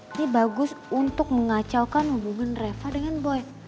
ini bagus untuk mengacaukan hubungan reva dengan boy